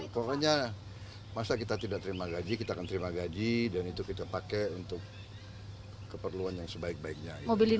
pokoknya masa kita tidak terima gaji kita akan terima gaji dan itu kita pakai untuk keperluan yang sebaik baiknya